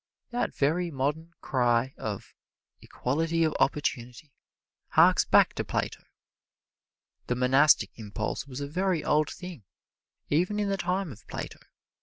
That very modern cry of "equality of opportunity" harks back to Plato. The monastic impulse was a very old thing, even in the time of Plato.